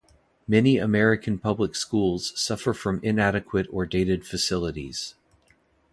Many American public schools suffer from inadequate or dated facilities.